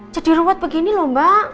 jadi ruwet begini mbak